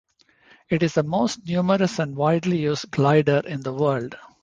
It is the most numerous and widely used glider in the world.